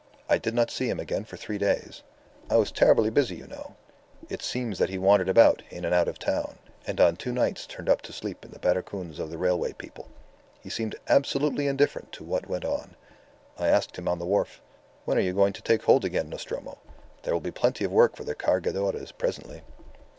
I did not see him again for three days. I was terribly busy, you know. It seems that he wandered about in and out of the town, and on two nights turned up to sleep in the baracoons of the railway people. He seemed absolutely indifferent to what went on. I asked him on the wharf, 'When are you going to take hold again, Nostromo? There will be plenty of work for the Cargadores presently.